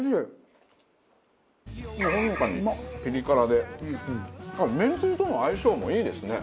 ほのかにピリ辛でめんつゆとの相性もいいですね。